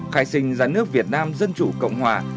khai sinh ra nước việt nam dân chủ cộng hòa